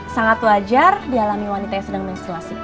sangat wajar dialami wanita yang sedang mensuasi